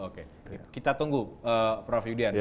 oke kita tunggu prof yudian